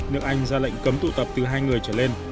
nước anh ra lệnh cấm tụ tập từ hai người trở lên